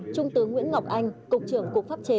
trung tướng nguyễn ngọc anh cục trưởng cục pháp chế